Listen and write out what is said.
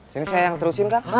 sini saya yang terusin dah